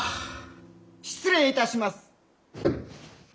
・失礼いたします。